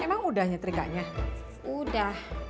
emang udah nyetrikanya udah